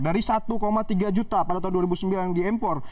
dari satu tiga juta pada tahun dua ribu sembilan yang diimpor